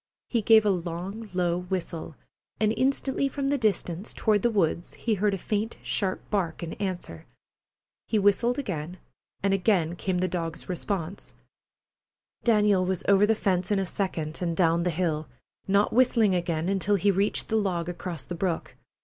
He gave a long, low whistle, and instantly from the distance, toward the woods, he heard a faint, sharp bark in answer. He whistled again, and again came the dog's response. Daniel was over the fence in a second and down the hill, not whistling again until he reached the log across the brook.